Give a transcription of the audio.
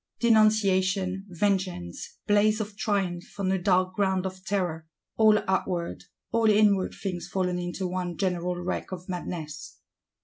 Denunciation, vengeance; blaze of triumph on a dark ground of terror: all outward, all inward things fallen into one general wreck of madness!